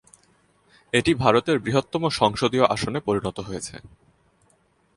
এটি ভারতের বৃহত্তম সংসদীয় আসনে পরিণত হয়েছে।